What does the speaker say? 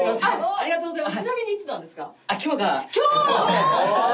ありがとうございます。